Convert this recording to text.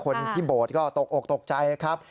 คนที่โบสถก็ตกอกตกใจครับ